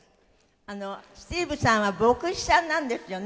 スティーヴさんは牧師さんなんですよね